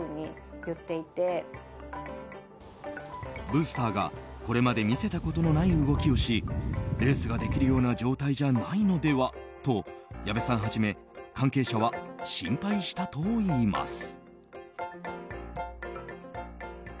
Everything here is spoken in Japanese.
ブースターが、これまで見せたことのない動きをしレースができるような状態じゃないのではと矢部さんはじめ関係者は心配したといいます。